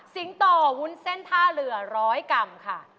สิงตอวุ้นเส้นท่าเหลือ๑๐๐กรัมค่ะ